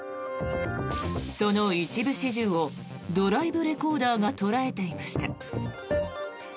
その一部始終をドライブレコーダーが捉えていました。